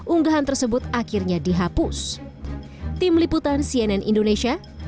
unggahan tersebut akhirnya dihapus